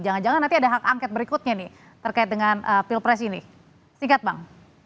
jangan jangan nanti ada hak angket berikutnya nih terkait dengan pilpres ini singkat bang